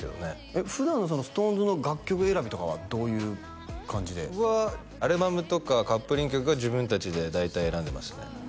えっ普段のＳｉｘＴＯＮＥＳの楽曲選びとかはどういう感じで？はアルバムとかカップリング曲は自分達で大体選んでますね